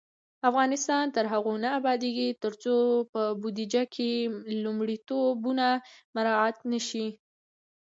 افغانستان تر هغو نه ابادیږي، ترڅو په بودیجه کې لومړیتوبونه مراعت نشي.